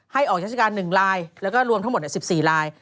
ออกราชการ๑ลายแล้วก็รวมทั้งหมด๑๔ลาย